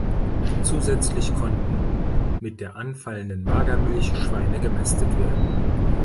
Zusätzlich konnten mit der anfallenden Magermilch Schweine gemästet werden.